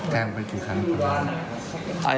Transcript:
แทงไปกี่ครั้งครั้งนี้